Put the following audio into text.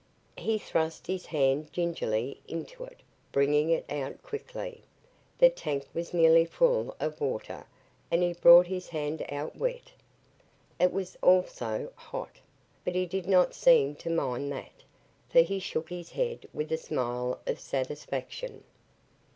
He thrust his hand gingerly into it, bringing it out quickly. The tank was nearly full of water and he brought his hand out wet. It was also hot. But he did not seem to mind that, for he shook his head with a smile of satisfaction.